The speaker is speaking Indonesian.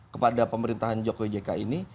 kepada pemerintahan jokowi jk ini